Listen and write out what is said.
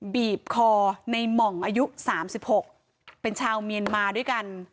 บีบคอในหม่องอายุ๓๖เป็นชาวเมียนมาด้วยกัน